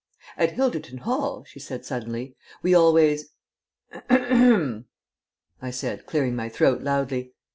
"At Hilderton Hall," she said suddenly, "we always " "H'r'm," I said, clearing my throat loudly.